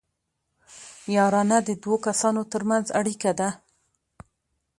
یارانه د دوو کسانو ترمنځ اړیکه ده